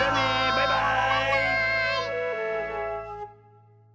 バイバーイ！